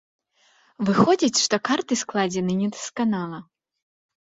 Выходзіць, што карты складзены недасканала.